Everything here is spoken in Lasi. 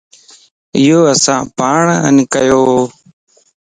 ايو اسان پاڻان ڪيووَ